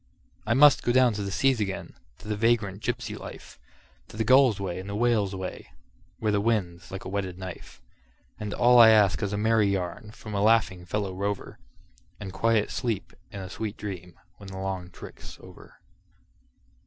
I must go down to the seas again, to the vagrant gypsy life, To the gull's way and the whale's way, where the wind's like a whetted knife; And all I ask is a merry yarn from a laughing fellow rover, And quiet sleep and a sweet dream when the long trick's over.